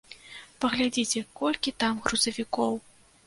Паглядзіце, колькі там грузавікоў!